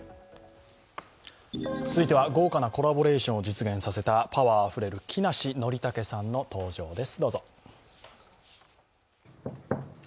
続いては豪華なコラボレーションを実現させたパワーあふれる木梨憲武さんの登場です。